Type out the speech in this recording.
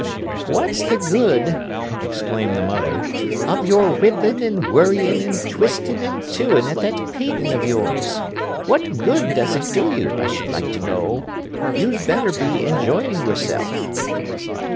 "What's the good," exclaimed the mother, "of your whittling and worrying and twistin' and too in' at that painting of yours? What good does it do you, I should like to know? You'd better be enjoyin' yourself."